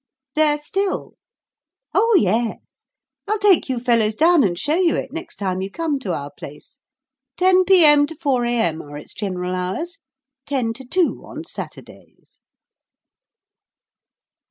"There still?" Oh yes. I'll take you fellows down and show you it, next time you come to our place: 10 p.m. to 4 a.m. are its general hours, 10 to 2 on Saturdays.